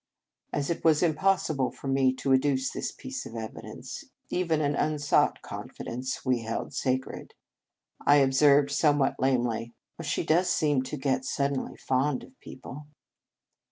As it was impossible for me to adduce this piece of evidence (even an unsought confidence we held sacred), I observed somewhat lamely: " Oh, she does seem to get suddenly fond of people."